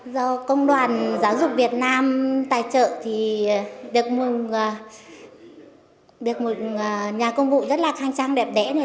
do công đoàn giáo dục việt nam tài trợ thì được một nhà công vụ rất là khang trang đẹp đẽ